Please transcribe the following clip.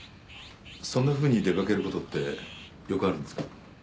そんなふうに出かけることってよくあるんですか？